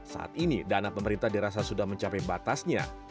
saat ini dana pemerintah dirasa sudah mencapai batasnya